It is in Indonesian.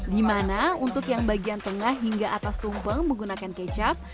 di mana untuk yang bagian tengah hingga atas tumpeng menggunakan kecap